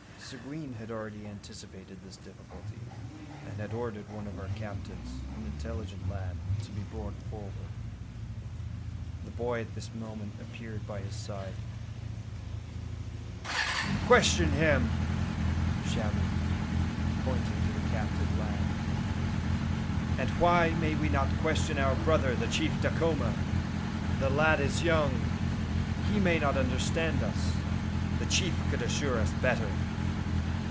Seguin had already anticipated this difficulty, and had ordered one of our captives, an intelligent lad, to be brought forward. The boy at this moment appeared by his side. "Question him!" shouted he, pointing to the captive lad. "And why may we not question our brother, the chief Dacoma? The lad is young. He may not understand us. The chief could assure us better."